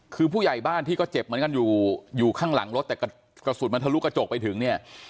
คือผู้ใหญ่บ้านที่ก็เจ็บเหมือนกันอยู่อยู่ข้างหลังรถแต่กระสุนมันทะลุกระจกไปถึงเนี่ย